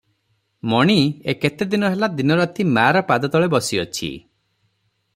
ମଣି ଏ କେତେ ଦିନ ହେଲା ଦିନରାତି ମାର ପାଦତଳେ ବସିଅଛି ।